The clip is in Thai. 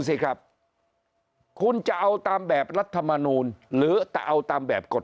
สิครับคุณจะเอาตามแบบรัฐมนูลหรือแต่เอาตามแบบกฎ